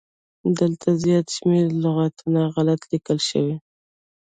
دلته زيات شمېر لغاتونه غلت ليکل شوي